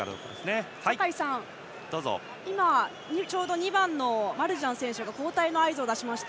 今、ちょうど２番のマルシャン選手が交代の合図を出しました。